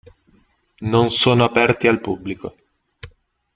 Non sono aperti al pubblico.